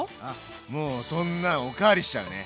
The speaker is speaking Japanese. もうそんなんお代わりしちゃうね。